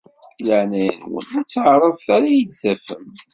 Di leɛnaya-nwen ur ttaɛraḍet ara ad iyi-d-tafem.